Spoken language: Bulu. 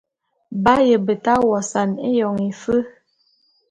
B'aye beta wosane éyon éfe.